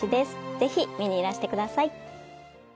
ぜひ見にいらしてください。